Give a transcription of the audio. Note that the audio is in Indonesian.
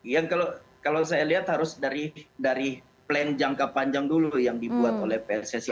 yang kalau saya lihat harus dari plan jangka panjang dulu yang dibuat oleh pssi